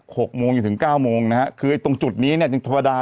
หกโมงจนถึงเก้าโมงนะฮะคือไอ้ตรงจุดนี้เนี้ยจึงธรรมดา